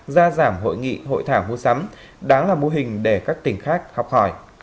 ra giảm hội nghị hội thảo mua sắm đáng là mô hình để các tỉnh khác học hỏi